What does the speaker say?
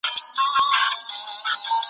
بس په زړه کي یې کراري اندېښنې سوې ,